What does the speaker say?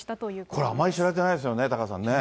これ、あまり知られてないですよね、タカさんね。